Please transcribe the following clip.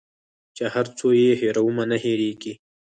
چي هر څو یې هېرومه نه هیریږي